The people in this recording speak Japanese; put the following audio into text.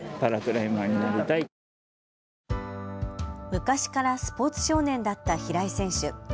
昔からスポーツ少年だった平井選手。